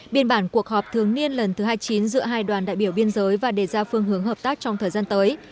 biên bản cuộc họp thường niên lần thứ hai mươi chín giữa hai đoàn đại biểu biên giới và đề ra phương hướng hợp tác trong thời gian tới